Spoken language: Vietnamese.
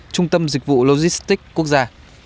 trung tâm dịch vụ logistic quốc gia